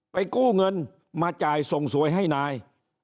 กู้เงินมาจ่ายส่งสวยให้นาย